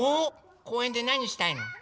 こうえんでなにしたいの？